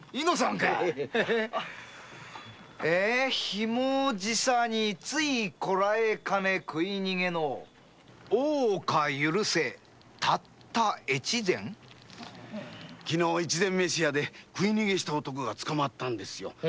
「ひもじさについこらえかね食い逃げの大岡許せたった越前」昨夜一膳飯屋で食い逃げした男が捕まったんですよ。